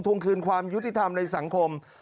วงคืนความยุติธรรมในสังคม